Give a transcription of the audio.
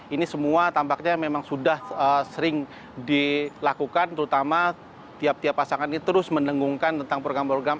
ini semua tampaknya memang sudah sering dilakukan terutama tiap tiap pasangan ini terus mendengungkan tentang program program